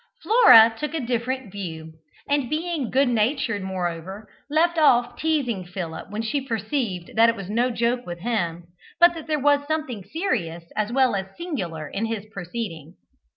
Flora took a different view, and being goodnatured moreover, left off teasing Philip when she perceived that it was no joke with him, but that there was something serious as well as singular in his proceeding.